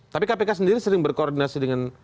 tapi kpk sendiri sering berkoordinasi dengan